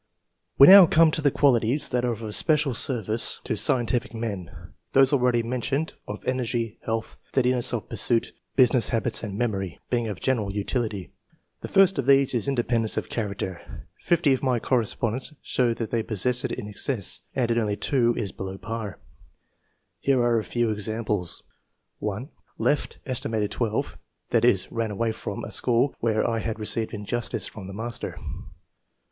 We now come to the qualities that are of especial service to scientific men; those al ready mentioned, of energy; health, steadi ness of pursuit, business habits and memory, being of general utility. The first of these is I. J EXGLLiH MEX OF SCIEXCE. [chap. independence of cliaracrer. Fifty of my eorre s}»0E dents show that they possess it in excess, nnd in only two is it below par. Here are a few examples :— 1. "Left, aet. 12 [that is, ran away from], a school where I had received injustice from the master."